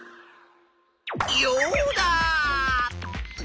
ヨウダ！